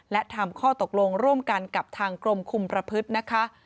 และทำข้อตกลงร่วมกันกับทางกรมคุมประพฤตินะคะ